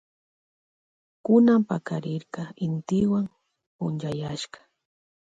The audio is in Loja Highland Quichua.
Kunan pakarirka intiwan punchayashka.